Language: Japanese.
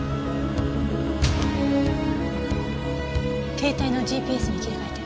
携帯のＧＰＳに切り替えて。